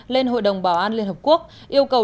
lên hội đồng bảo an liên hợp quốc yêu cầu